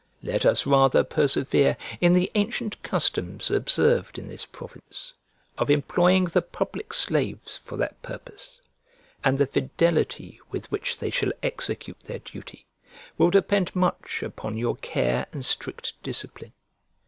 Let us rather persevere in the ancient customs observed in this province, of employing the public slaves for that purpose; and the fidelity with which they shall execute their duty will depend much upon your care and strict discipline.